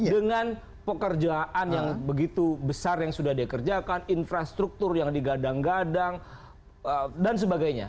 dengan pekerjaan yang begitu besar yang sudah dikerjakan infrastruktur yang digadang gadang dan sebagainya